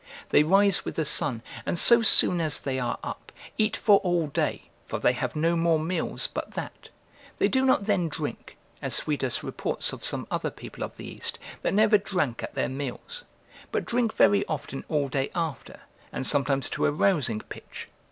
They rise with the sun, and so soon as they are up, eat for all day, for they have no more meals but that; they do not then drink, as Suidas reports of some other people of the East that never drank at their meals; but drink very often all day after, and sometimes to a rousing pitch.